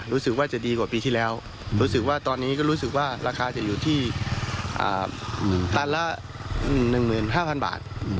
รู้สึกว่าจะดีกว่าปีที่แล้วรู้สึกว่าตอนนี้ราคาจะอยู่ที่ตลาดละ๑๕๐๐๐บาท